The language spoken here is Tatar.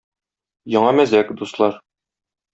Яңа мәзәк, дуслар!